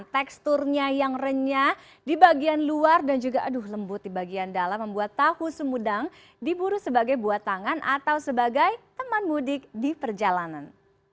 dan teksturnya yang renyah di bagian luar dan juga aduh lembut di bagian dalam membuat taku sumedang diburu sebagai buat tangan atau sebagai teman mudik di perjalanan